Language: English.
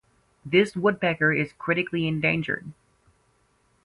This woodpecker is critically endangered.